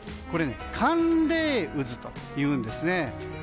これ、寒冷渦というんですね。